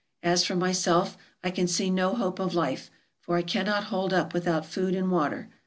As for myself, I can see no hope of life, for I cannot hold up without food and water.